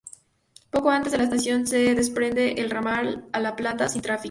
Poco antes de la estación se desprende el ramal a La Plata, sin tráfico.